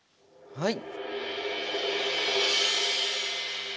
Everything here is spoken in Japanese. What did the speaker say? はい。